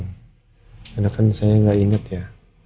karena kan saya enggak inget ya